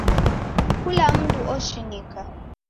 Kula mndu oshinika.